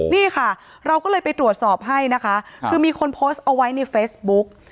นี่ค่ะเราก็เลยไปตรวจสอบให้นะคะคือมีคนโพสต์เอาไว้ในเฟซบุ๊ก